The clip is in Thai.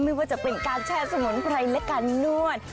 ไม่ว่าจะเป็นการแช่สมุนไพรและการนวด